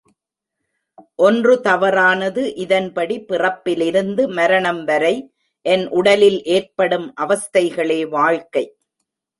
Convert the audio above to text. ஒன்று தவறானது இதன்படி பிறப்பிலிருந்து மரணம் வரை என் உடலில் ஏற்படும் அவஸ்தைகளே வாழ்க்கை.